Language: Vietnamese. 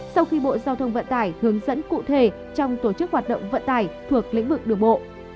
sau khi bộ giao thông vận tải hướng dẫn cụ thể trong tổ chức hoạt động vận tải thuộc lĩnh vực đường bộ